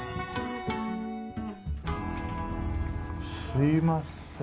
すいません。